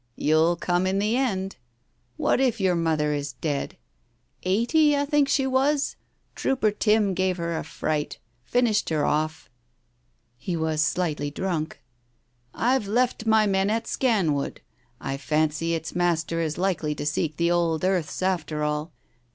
You'll come in the end. What if your mother is dead? Eighty, I think she was? Trooper Tim gave her a fright. Finished her off. ..." He was slightly drunk. "I've Digitized by Google 182 TALES OF THE UNEASY left my men at Scan wood. I fancy its master is likely to seek the old earths after all.